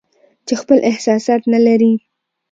چې خپل احساسات نه لري